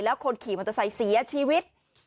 แล้วคนขี่มอเตอร์ไซค์เสียชีวิต